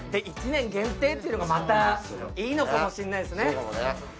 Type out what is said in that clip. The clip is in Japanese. １年限定というのが、またいいのかもしれないですね。